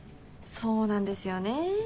そうなんですよね。